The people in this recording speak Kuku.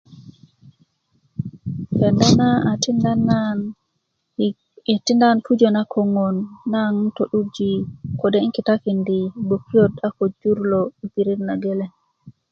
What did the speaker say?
kenda na a tinda nan i i a tikinda nan yi pujö na koŋon naŋ to'durji kode' 'nkitakindi gbokiyot a ko jur lo i pirit na geleŋ